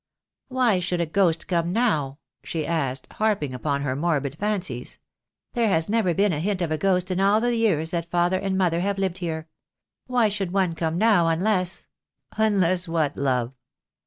"Why should a ghost come now?" she asked, harping upon her morbid fancies. "There has never been a hint of a ghost in all the years that father and mother have lived here. Why should one come now, unless " "Unless what, love?"